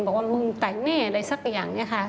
บอกว่ามึงแต่งแน่อะไรสักอย่างเนี่ยค่ะ